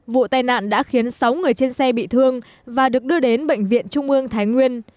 vụ tai nạn đã khiến sáu người trên xe bị thương và được đưa đến bệnh viện trung ương thái nguyên